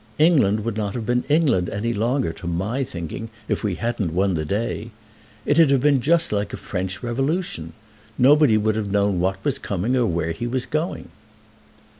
England would not have been England any longer, to my thinking, if we hadn't won the day. It'd have been just like a French revolution. Nobody would have known what was coming or where he was going."